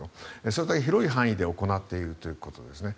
それだけ広い範囲で行っているということですね。